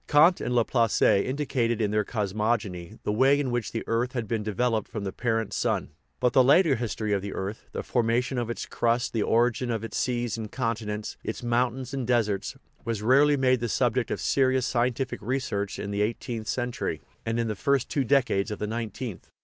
Kant and Laplace indicated,, in their cosmogony, the way in which the earth had been developed from the parent sun. But the later history of the earth, the formation of its crust, the origin of its seas and continents, its mountains and deserts, was rarely made the subject of serious scien tific research in the eighteenth century, and in the first two decades of the nineteenth.